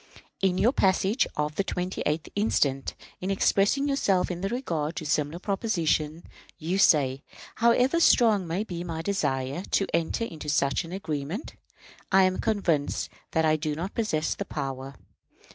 In your message of the 28th inst., in expressing yourself in regard to a similar proposition, you say: "However strong may be my desire to enter into such an agreement, I am convinced that I do not possess the power.